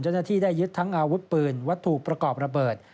เจ้าหน้าที่ได้ยึดทั้งอาวุธปืนวัตถุประกอบระเบิด